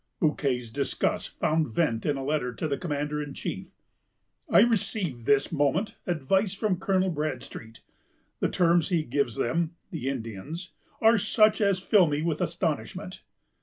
Bouquet's disgust found vent in a letter to the commander in chief: "I received this moment advice from Colonel Bradstreet.... The terms he gives them (the Indians) are such as fill me with astonishment....